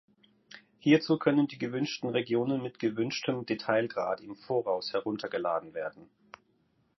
Hierzu können die gewünschten Regionen mit gewünschtem Detailgrad im Voraus heruntergeladen werden.